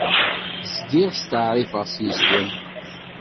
Zgiɣ steɛṛifeɣ yes-wen.